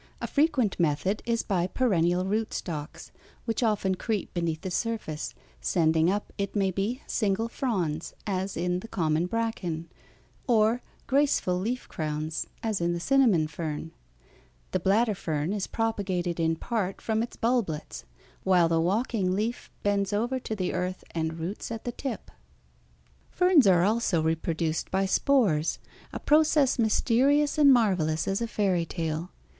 A frequent method is by perennial rootstocks, which often creep beneath the surface, sending up, it may be, single fronds, as in the common bracken, or graceful leaf crowns, as in the cinnamon fern. The bladder fern is propagated in part from its bulblets, while the walking leaf bends over to the earth and roots at the tip. [Illustration: MALE SHIELD FERN. Fern Reproduction by the Prothallium] Ferns are also reproduced by spores, a process mysterious and marvellous as a fairy tale.